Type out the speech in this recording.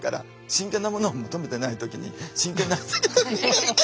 真剣なものを求めてない時に真剣な。